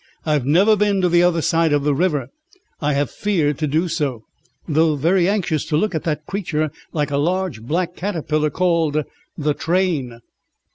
I have never been to the other side of the river, I have feared to do so, though very anxious to look at that creature like a large black caterpillar called the Train."